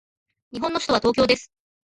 日本の首都は東京です。